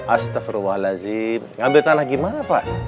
astaghfirullahaladzim ngambil tanah gimana